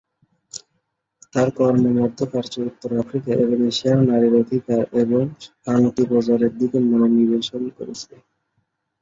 তার কর্ম মধ্যপ্রাচ্য, উত্তর আফ্রিকা এবং এশিয়ায় নারীর অধিকার এবং শান্তি প্রচারের দিকে মনোনিবেশ করেছে।